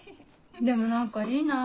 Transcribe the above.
でも何かいいな。